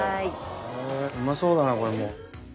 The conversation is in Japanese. うまそうだなこれも。